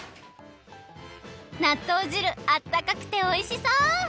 なっとう汁あったかくておいしそう！